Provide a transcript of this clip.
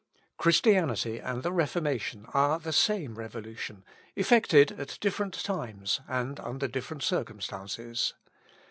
Christianity and the Reformation are the same revolution, effected at different times, and under different circumstances.